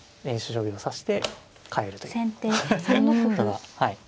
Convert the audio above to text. ただはい。